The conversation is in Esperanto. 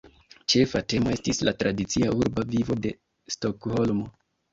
Ĉefa temo estis la tradicia urba vivo de Stokholmo.